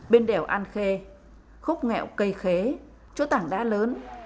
bên đèo an khê khúc nghẹo cây khế chỗ tảng đá lớn